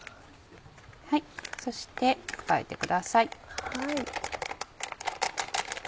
そして加えてください。